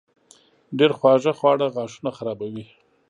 ډېر خواږه خواړه غاښونه خرابوي.